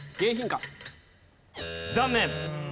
残念。